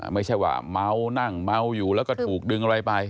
ไม่ใช่ว่าเมานั่งเมาอยู่แล้วก็ถูกดึงอะไรไป